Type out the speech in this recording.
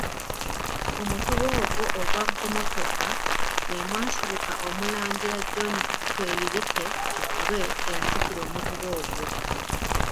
Mu mutuba ogwo ogwa Ggomotoka, mwe mwasibuka Omulangira John Tweyirike Kikulwe eyasikira Omutuba ogwo.